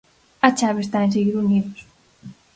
A chave está en seguir unidos.